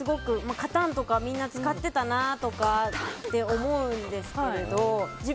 勝たんとかみんな使ってたなって思うんですけど。